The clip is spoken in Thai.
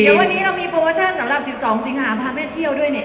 วันนี้เรามีโปรเซินสำหรับสิบสองสิงหาภาแม่เที่ยวด้วยเนี่ย